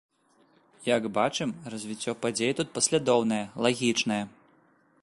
Як бачым, развіццё падзей тут паслядоўнае, лагічнае.